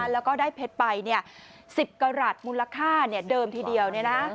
แล้วก็ได้เพชรไป๑๐กรัฐมูลค่าเดิมทีเดียว